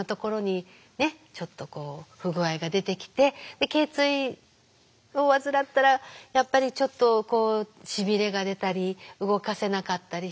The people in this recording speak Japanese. ちょっとこう不具合が出てきてけい椎を患ったらやっぱりちょっとしびれが出たり動かせなかったりして。